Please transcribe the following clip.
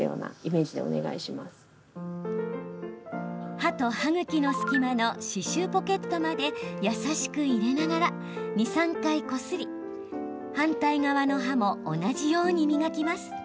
歯と歯ぐきの隙間の歯周ポケットまで優しく入れながら２、３回こすり反対側の歯も同じように磨きます。